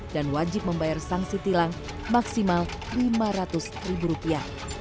dan wajib membayar sanksi tilang maksimal lima ratus ribu rupiah